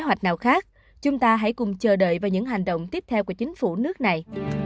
kế hoạch nào khác chúng ta hãy cùng chờ đợi vào những hành động tiếp theo của chính phủ nước này